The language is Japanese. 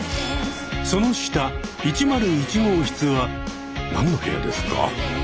その下１０１号室は何の部屋ですか？